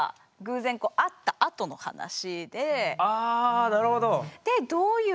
あなるほど。